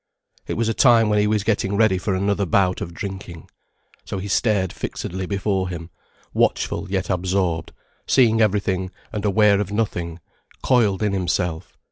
It was a time when he was getting ready for another bout of drinking, so he stared fixedly before him, watchful yet absorbed, seeing everything and aware of nothing, coiled in himself.